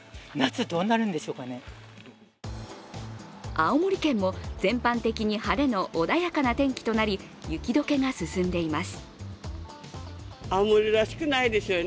青森県も全般的に晴れの穏やかな天気となり、雪解けが進んでいます。